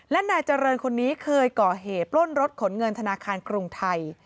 และนายเจริญคนนี้เคยก่อเหตุปล้นรถขนเงินธนาคารกรุงไทย